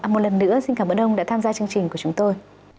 một lần nữa xin cảm ơn ông đã tham gia chương trình của chúng tôi